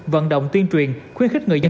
vận động tuyên truyền khuyến khích người dân